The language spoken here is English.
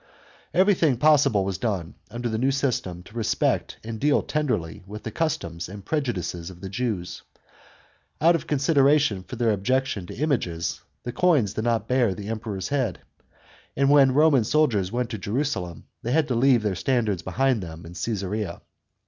Everything possible was done, under the new system, to respect and deal tenderly with the customs and prejudices of the Jews. Out of consideration for their objection to images, the coins did not bear the Emperor's head ; and when Eoman soldiers went to Jerusalem, they had to leave their standards behind them in Caesarea.